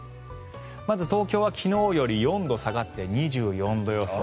まず東京は昨日より４度下がって２４度予想。